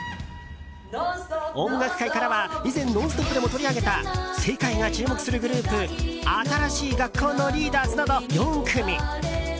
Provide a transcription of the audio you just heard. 音楽界からは以前「ノンストップ！」でも取り上げた世界が注目するグループ新しい学校のリーダーズなど４組。